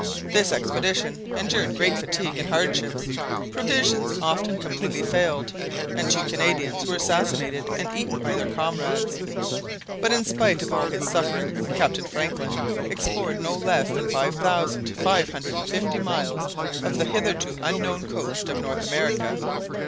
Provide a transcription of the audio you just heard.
This expedition endured great fatigue and hardships; provisions often completely failed, and two Canadians were assassinated and eaten by their comrades. But in spite of all his sufferings, Captain Franklin explored no less than five thousand five hundred and fifty miles of the hitherto unknown coast of North America!"